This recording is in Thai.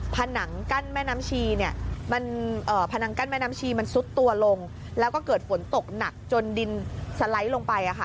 ผนังกั้นแม่น้ำชีมันสุดตัวลงแล้วก็เกิดฝนตกหนักจนดินสไลด์ลงไปค่ะ